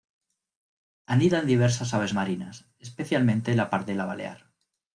Anidan diversas aves marinas, especialmente la pardela balear.